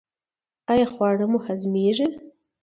ایا خواړه مو هضمیږي؟